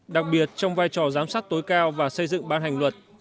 đặc biệt trong vai trò giám sát tối cao và xây dựng ban hành luật